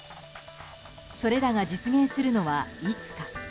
それらが実現するのはいつか。